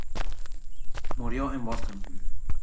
Murió en Boston.